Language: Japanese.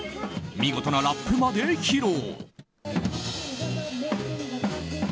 見事なラップまで披露。